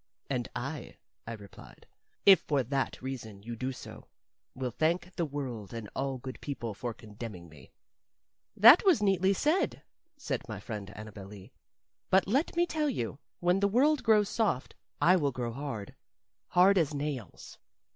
"And I," I replied, "if for that reason you do so, will thank the world and all good people for condemning me." "That was neatly said," said my friend Annabel Lee. "But let me tell you, when the world grows soft, I will grow hard hard as nails."